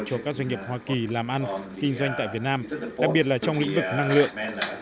cho các doanh nghiệp hoa kỳ làm ăn kinh doanh tại việt nam đặc biệt là trong lĩnh vực năng lượng